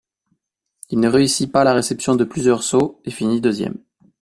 Il ne réussit pas la réception de plusieurs sauts, et finit deuxième.